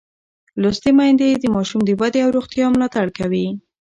لوستې میندې د ماشوم د ودې او روغتیا ملاتړ کوي.